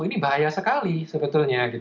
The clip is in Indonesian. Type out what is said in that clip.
ini bahaya sekali sebetulnya